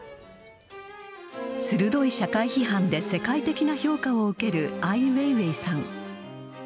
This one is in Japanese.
鋭い社会批判で世界的な評価を受けるアイ・ウェイウェイさん。